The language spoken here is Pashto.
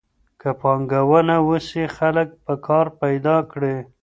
که پانګونه وسي خلګ به کار پیدا کړي.